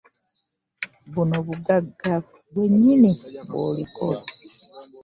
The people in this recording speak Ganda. Buno bugagga bwennyini bw'oliko.